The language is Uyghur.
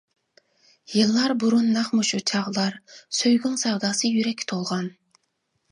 يىللار بۇرۇن نەق مۇشۇ چاغلار، سۆيگۈڭ سەۋداسى يۈرەككە تولغان!